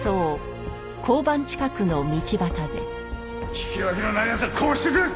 聞き分けのない奴はこうしてくれる！